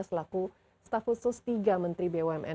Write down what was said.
selaku staf khusus tiga menteri bumn